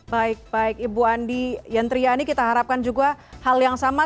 baik baik ibu andi yantriani kita harapkan juga hal yang sama